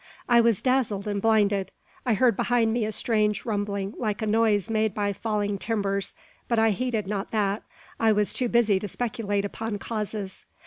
I was dazzled and blinded. I heard behind me a strange rumbling like the noise made by falling timbers; but I heeded not that: I was too busy to speculate upon causes.